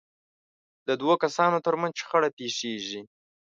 د دوو کسانو ترمنځ شخړه پېښېږي.